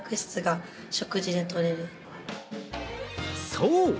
そう！